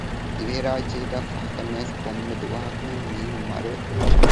ދިވެހިރާއްޖޭގައި ފަހަކަށް އައިސް ކޮންމެ ދުވަހަކުހެން މީހުން މަރުވެ